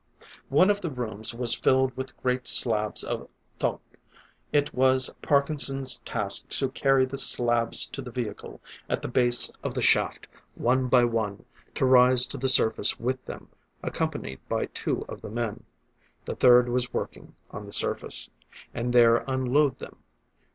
One of the rooms was filled with great slabs of thoque; it was Parkinson's task to carry the slabs to the vehicle at the base of the shaft, one by one; to rise to the surface with them, accompanied by two of the men the third was working on the surface and there unload them.